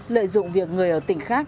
lợi dụng việc người ở tỉnh khác